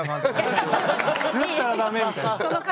言ったら駄目みたいな。